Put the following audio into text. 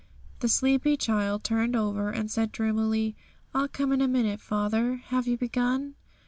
The sleepy child turned over, and said dreamily, 'I'll come in a minute, father; have you begun?'